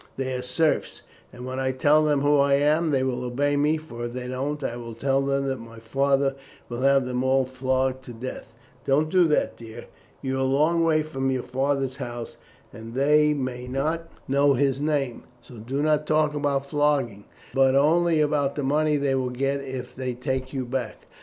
"They are serfs, and when I tell them who I am they will obey me, for if they don't I will tell them that my father will have them all flogged to death." "Don't do that, dear. You are a long way from your father's house, and they may not know his name; so do not talk about flogging, but only about the money they will get if they take you back.